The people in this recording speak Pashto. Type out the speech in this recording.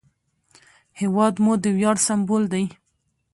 هېواد مو د ویاړ سمبول دی